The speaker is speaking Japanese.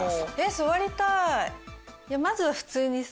座りたい！